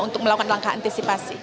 untuk melakukan langkah antisipasi